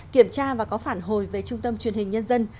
kiểm tra và có phản hồi về trung tâm truyền hình nhân dân